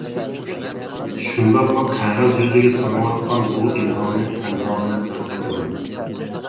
شۇنداقلا قەغەز يۈزىگە سىڭىۋاتقان بۇ ئىلھامنى «تەنھالىق» دەپ ئاتىدىم.